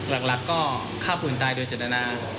หลักก็ฆ่าผู้อื่นตายโดยจัดอาณา